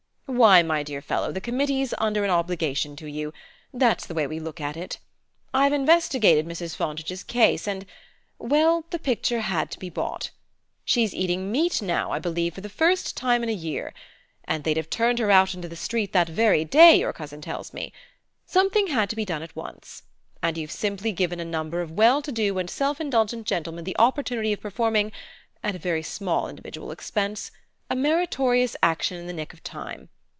Why, my dear fellow, the committee's under an obligation to you that's the way we look at it. I've investigated Mrs. Fontage's case, and well, the picture had to be bought. She's eating meat now, I believe, for the first time in a year. And they'd have turned her out into the street that very day, your cousin tells me. Something had to be done at once, and you've simply given a number of well to do and self indulgent gentlemen the opportunity of performing, at very small individual expense, a meritorious action in the nick of time.